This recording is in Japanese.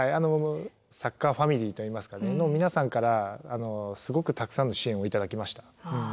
サッカーファミリーといいますかの皆さんからすごくたくさんの支援を頂きました。